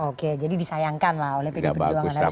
oke jadi disayangkan lah oleh pdi perjuangan